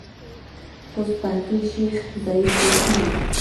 خوست پوهنتون شیخ زاید جوړ کړی؟